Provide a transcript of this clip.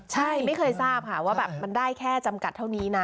ใช่ไม่เคยทราบค่ะว่าแบบมันได้แค่จำกัดเท่านี้นะ